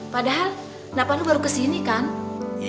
padahal nafandu baru kesini kan